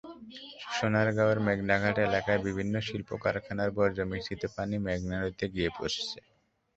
সোনারগাঁয়ের মেঘনাঘাট এলাকার বিভিন্ন শিল্পকারখানার বর্জ্যমিশ্রিত পানি মেঘনা নদীতে গিয়ে পড়ছে।